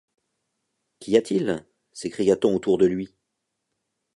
Qu’y a-t-il? s’écria-t-on autour de lui.